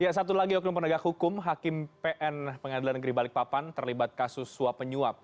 ya satu lagi oknum penegak hukum hakim pn pengadilan negeri balikpapan terlibat kasus suap penyuap